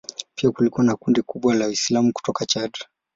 Pia kulikuwa na kundi kubwa la Waislamu kutoka Chad.